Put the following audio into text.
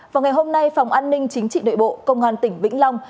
vào ngày hôm nay phòng an ninh chính trị nội bộ công an tỉnh vĩnh long